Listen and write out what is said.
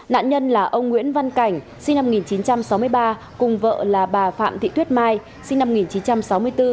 nạn nhân là ông nguyễn văn cảnh sinh năm một nghìn chín trăm sáu mươi ba cùng vợ là bà phạm thị tuyết mai sinh năm một nghìn chín trăm sáu mươi bốn